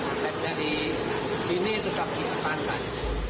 aset dari mie ini tetap kita pahamkan